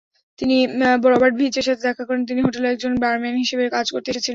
তিনি রবার্ট ভিচের সাথে দেখা করেন যিনি হোটেলে একজন বারম্যান হিসাবে কাজ করতে এসেছিলেন।